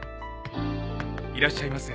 いらっしゃいませ。